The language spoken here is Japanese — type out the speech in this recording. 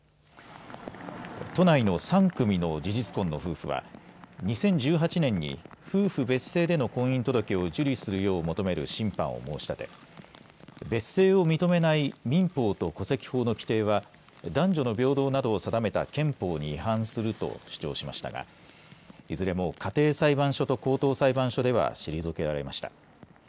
都内の３組の事実婚の夫婦は２０１８年に夫婦別姓での婚姻届を受理するよう求める審判を申し立て、別姓を認めない民法と戸籍法の規定は男女の平等などを定めた憲法に違反すると主張しましたが、いずれも家庭裁判所と高等裁判所では退けられました。